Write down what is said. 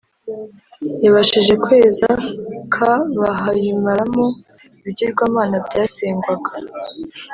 yabashije kweza kaʽbah ayimaramo ibigirwamana byasengwaga,